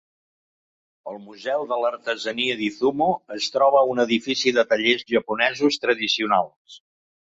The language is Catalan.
El Museu de l'Artesania d'Izumo es troba a un edifici de tallers japonesos tradicionals.